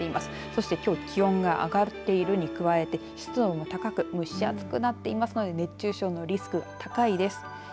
そして、きょう気温が上がっているに加えて湿度も高く蒸し暑くなっていますので熱中症のリスク高いです。